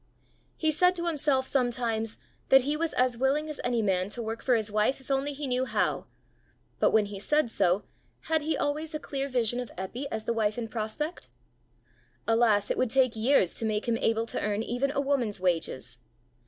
He said to himself sometimes that he was as willing as any man to work for his wife if only he knew how; but when he said so, had he always a clear vision of Eppy as the wife in prospect? Alas, it would take years to make him able to earn even a woman's wages!